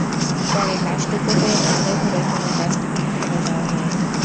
পরে লাশ টুকরো করে বস্তায় ভরে কোনো ডাস্টবিনে ফেলে দেওয়া হয়।